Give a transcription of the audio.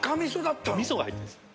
味噌が入ってるんです。